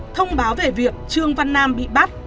thông báo về việc trương văn nam bị bắt